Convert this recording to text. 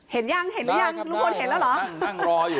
เห็นยังเห็นหรือยังลุงพลเห็นแล้วเหรอได้ครับได้นั่งนั่งรออยู่